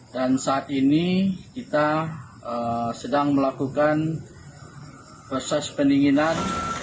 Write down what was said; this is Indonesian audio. dan saat ini kita sedang melakukan proses pendinginan